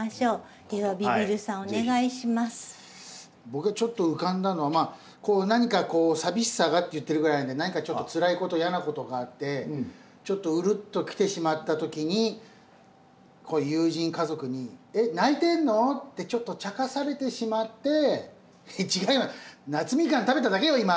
僕がちょっと浮かんだのは何かこう「淋しさが」って言ってるぐらいなので何かちょっとつらいこと嫌なことがあってちょっとうるっと来てしまった時に友人家族に「えっ泣いてんの？」ってちょっとちゃかされてしまって「違うよ。夏蜜柑食べただけよ今」